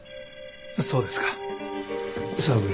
そうですか。